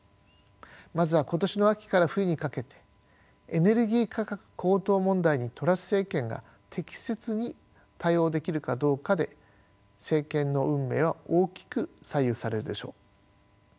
まずは今年の秋から冬にかけてエネルギー価格高騰問題にトラス政権が適切に対応できるかどうかで政権の運命は大きく左右されるでしょう。